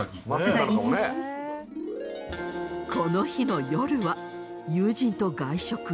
この日の夜は友人と外食へ。